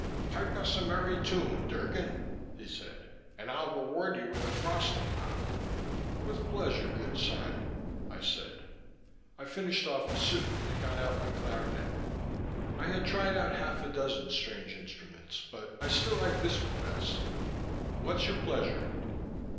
"Pipe us a merry tune, Drgon," he said, "and I'll reward you with a frosting pot." "With pleasure, good Sime," I said. I finished off the soup and got out my clarinet. I had tried out half a dozen strange instruments, but I still liked this one best. "What's your pleasure?"